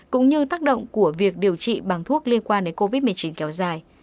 cũng như tác động của việc điều trị bằng thuốc liên quan đến covid một mươi chín kéo dài